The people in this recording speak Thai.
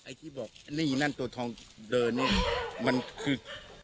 ที่บอกไอ้นี่นั่นตัวทองเดินนี่มันคือ